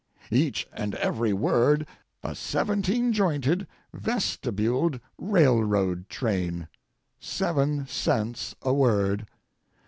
Each and every word a seventeen jointed vestibuled railroad train. Seven cents a word.